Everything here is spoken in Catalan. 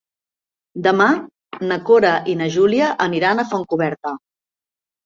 Demà na Cora i na Júlia aniran a Fontcoberta.